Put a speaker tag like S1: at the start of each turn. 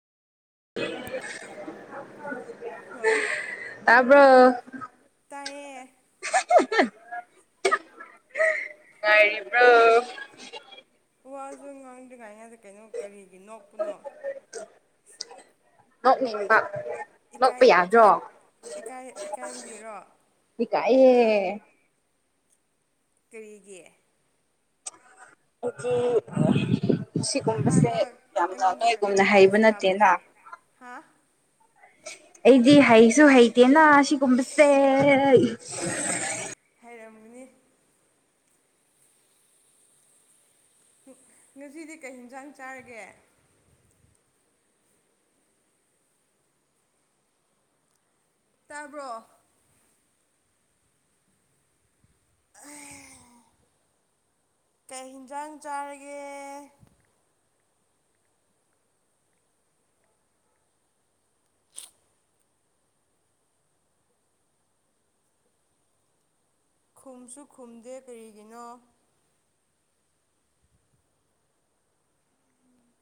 S1: Hello
S2: [unintelligible] [unintelligible] ꯇꯥꯕ꯭ꯔꯣ
S1: [unintelligible]
S2: ꯉꯔꯤꯕꯕ꯭ꯔꯣ
S1: ꯋꯥꯁꯨꯉꯥꯡꯗ꯭ꯔꯤꯉꯥꯏꯉꯩꯗ ꯀꯩꯅꯣ ꯀꯔꯤꯒꯤ ꯅꯣꯛꯄꯅꯣ
S2: ꯑꯕ [unintelligible]
S1: ꯏꯀꯥꯏ ꯏꯀꯥꯏꯕꯒꯤꯔꯣ
S2: ꯑꯦ
S1: ꯀꯔꯤꯒꯤ
S2: ꯑꯗꯨꯗꯤ ꯁꯤꯒꯨꯝꯕꯁꯦ
S1: ꯑꯍꯥꯟꯕ
S2: ꯌꯥꯝꯅ
S1: ꯑꯩꯉꯣꯟꯗ ꯀꯩꯅꯣ
S2: ꯅꯣꯏꯒꯨꯝꯅ
S1: ꯋꯥꯔꯤ
S2: ꯍꯩꯕ ꯅꯠꯇꯦꯅ
S1: ꯁꯥꯟꯅꯕꯒꯤ ꯍꯥ
S2: ꯗꯤ ꯍꯩꯁꯨ ꯍꯩꯇꯦꯅ ꯁꯤ ꯀꯨꯝꯕꯁꯦ
S1: ꯍꯩꯔꯝꯒꯅꯤ ꯉꯁꯤꯗꯤ ꯀꯩ ꯌꯦꯟꯁꯥꯡ ꯆꯥꯔꯒꯦ꯫ ꯇꯥꯕ꯭ꯔꯣ
S2: ꯑ [inaudible]
S1: ꯀꯩ ꯌꯦꯟꯖꯥꯡ ꯆꯥꯔꯒꯦ ꯈꯨꯝꯁꯨ ꯈꯨꯝꯗꯦ ꯀꯔꯤꯒꯤꯅꯣ